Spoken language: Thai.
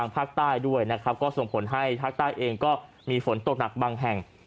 ภาคใต้ก็ส่งผลให้ภาคใต้เองมีฝนตกนักบางแห่ง